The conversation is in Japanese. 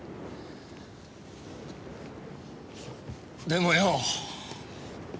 でもよ。